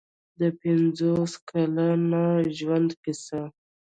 د پنځوس کلن ژوند کیسه.